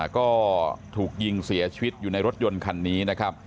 ก็ถูกยิงเสียชีวิตอยู่ในรถยนต์คันนี้นะครับ